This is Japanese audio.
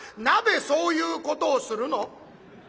「鍋そういうことをするの？」。